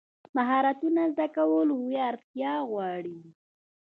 مهارتونه زده کول هوښیارتیا غواړي.